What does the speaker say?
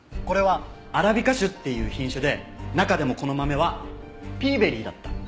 これはアラビカ種っていう品種で中でもこの豆はピーベリーだった。